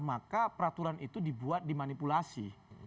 maka peraturan itu dibuat dimanipulasi